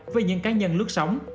với những cá nhân lướt sóng